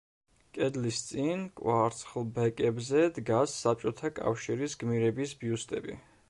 კედლის წინ კვარცხლბეკებზე დგას საბჭოთა კავშირის გმირების ბიუსტები.